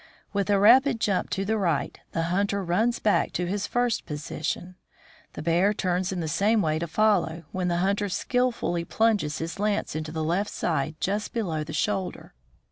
With a rapid jump to the right, the hunter runs back to his first position. The bear turns in the same way to follow, when the hunter skillfully plunges his lance into the left side just below the shoulder.